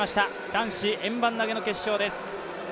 男子円盤投の決勝です。